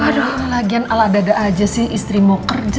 aduh lagian ala dada aja sih istrimu kerja